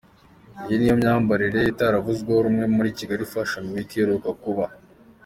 Iyi niyo myambarire itaravuzweho rumwe muri Kigali Fashion Week iheruka kuba.